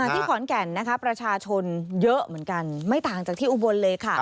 ที่ขอนแก่นนะคะประชาชนเยอะเหมือนกันไม่ต่างจากที่อุบลเลยค่ะ